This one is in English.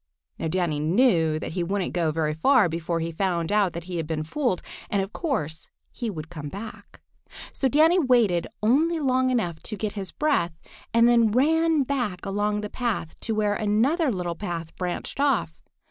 Now Danny knew that he wouldn't go very far before he found out that he had been fooled, and of course he would come back. So Danny waited only long enough to get his breath and then ran back along the path to where another little path branched off.